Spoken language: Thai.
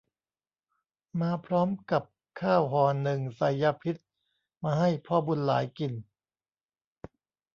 มาพร้อมกับข้าวห่อหนึ่งใส่ยาพิษมาให้พ่อบุญหลายกิน